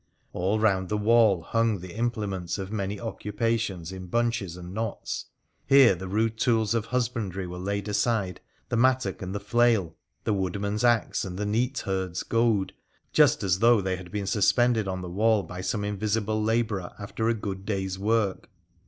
All round the wall hung the imple ments of many occupations in bunches and knots. Here the rude tools of husbandry were laid aside, the mattock and the flail ; the woodman's axe and the neatherd's goad, just as though they had been suspended on the wall by some invisible labourer after a good day's work.